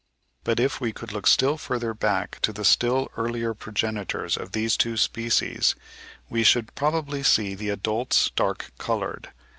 But if we could look still further back to the still earlier progenitors of these two species, we should probably see the adults dark coloured.